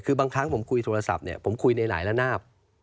คือบางครั้งผมคุยโทรศัพท์เนี่ยผมคุยในหลายละนาบ